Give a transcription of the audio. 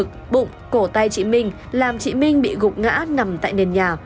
mạnh đã bắt được bụng cổ tay trị minh làm trị minh bị gục ngã nằm tại nền nhà